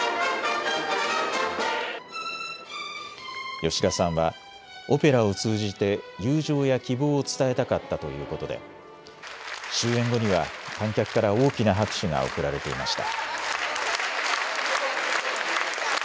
吉田さんはオペラを通じて友情や希望を伝えたかったということで終演後には観客から大きな拍手が送られていました。